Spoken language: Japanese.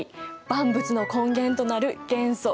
万物の根源となる元素。